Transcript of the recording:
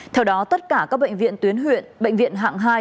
theo đó tất cả các bệnh viện tuyến huyện bệnh viện hạng hai